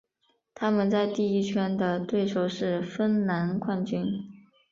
他们在第一圈的对手是芬兰冠军。